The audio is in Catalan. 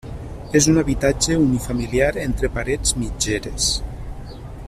És un habitatge unifamiliar entre parets mitgeres.